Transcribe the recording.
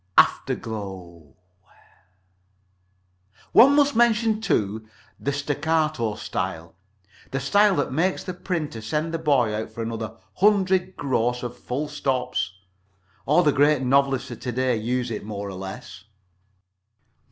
Afterglow ... One must mention, too, the staccato style—the style that makes the printer send the boy out for another hundred gross of full stops. All the Great Novelists of to day use it, more or less.